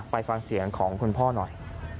ไปฟังเสียงของคุณพ่อหน่อย